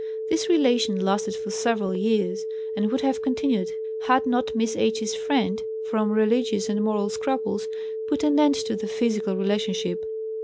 This relation lasted for several years, and would have continued, had not Miss H.'s friend, from religious and moral scruples, put an end to the physical relationship.